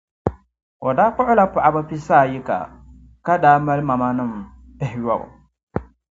O daa kpuɣila paɣiba pisaayika, ka daa mali mamanim’ pihiyɔbu.